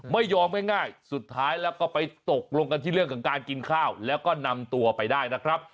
ไม่ยอมง่ายสุดท้ายแล้วก็ไปตกลงกันที่เรื่องของการกินข้าวแล้วก็นำตัวไปได้นะครับ